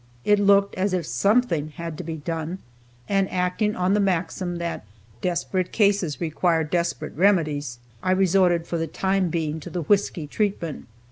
It looked as if something had to be done, and acting on the maxim that "desperate cases require desperate remedies," I resorted for the time being to the whisky treatment.